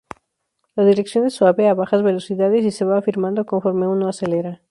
La dirección es suave a bajas velocidades, y se va afirmando conforme uno acelera.